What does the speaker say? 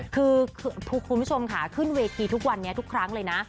คือคุณผู้ชมค่ะขึ้นเวทีทุกวันนี้ทุกครั้งเลยนะ